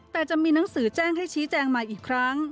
แต่จะมีหนังสือแจ้งให้ชี้แจงใหม่อีกครั้ง